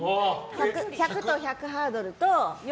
１００と１００ハードルと４